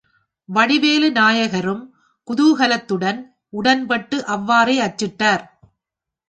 வடிவேலு நாயகரும் குதூஹலத்துடன் உடன்பட்டு அவ்வாறே அச்சிட்டார்.